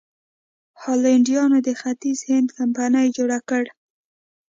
هالنډیانو د ختیځ هند کمپنۍ جوړه کړه.